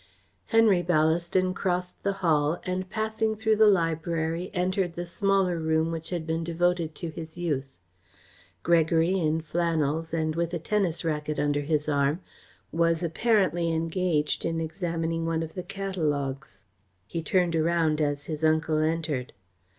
Henry Ballaston crossed the hall and, passing through the library, entered the smaller room which had been devoted to his use. Gregory in flannels and with a tennis racket under his arm, was apparently engaged in examining one of the catalogues. He turned around as his uncle entered.